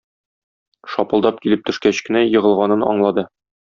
Шапылдап килеп төшкәч кенә егылганын аңлады.